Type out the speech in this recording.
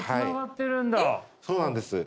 そうなんです。